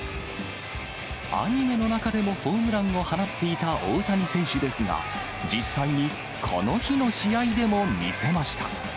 アニメの中でもホームランを放っていた大谷選手ですが、実際にこの日の試合でも見せました。